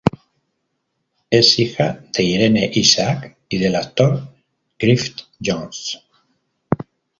Es hija de Irene Isaac y del actor Griffith Jones.